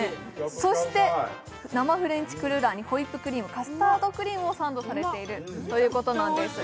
そして生フレンチクルーラーにホイップクリーム、カスタードクリームがサンドされているということなんです。